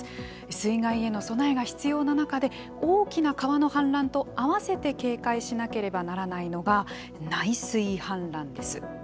水害への備えが必要な中で大きな川の氾濫と合わせて警戒しなければならないのが内水氾濫です。